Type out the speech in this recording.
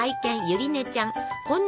ゆりちゃん！